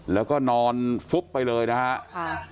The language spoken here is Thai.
แล้วก็นอนฟุบไปเลยนะครับ